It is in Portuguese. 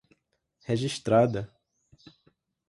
registrada